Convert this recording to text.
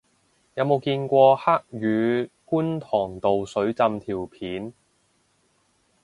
有冇見過黑雨觀塘道水浸條片